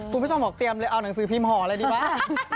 คุณผู้ชมบอกเตรียมเลยเอาหนังสือพิมพ์ห่ออะไรดีวะ